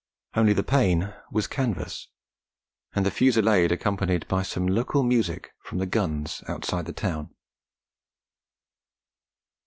Only the pane was canvas, and the fusillade accompanied by some local music from the guns outside the town.